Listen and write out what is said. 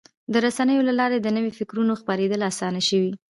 د رسنیو له لارې د نوي فکرونو خپرېدل اسانه شوي.